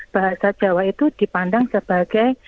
bahasa jawa itu dipandang sebagai